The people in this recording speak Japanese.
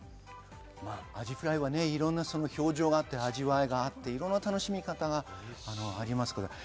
アジフライはいろんな表情があって、味わいがあって、いろんな楽しみ方がありますからね。